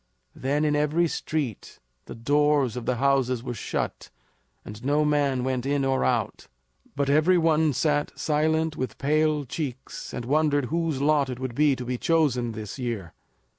Then in every street the doors of the houses were shut and no man went in or out, but every one sat silent with pale cheeks, and wondered whose lot it would be to be chosen this year.